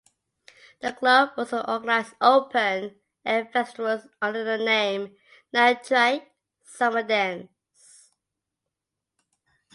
The club also organized open air festivals under the name "Natraj Summer Dance".